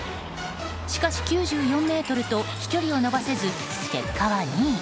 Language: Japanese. しかし、９４ｍと飛距離を伸ばせず結果は２位。